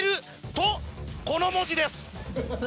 とこの文字です。